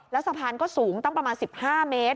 แล้วสะพานก็สูงตั้งประมาณ๑๕เมตร